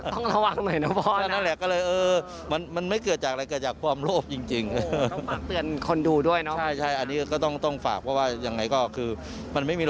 ต้องระวังหน่อยนะพ่อ